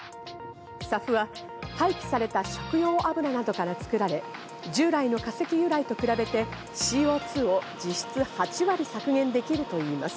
ＳＡＦは廃棄された食用油などから作られ、従来の化石由来と比べてＣＯ２を実質８割削減できるといいます。